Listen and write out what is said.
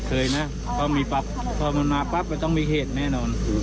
เคยนะเพราะมีปรับพอมาปรับต้องมีเหตุแน่นอน